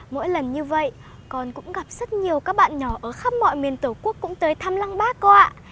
mỗi lần như vậy con cũng gặp rất nhiều các bạn nhỏ ở khắp mọi miền tổ quốc cũng tới thăm lăng bác cô ạ